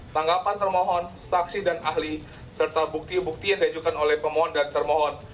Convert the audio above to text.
tanggapan termohon saksi dan ahli serta bukti bukti yang diajukan oleh pemohon dan termohon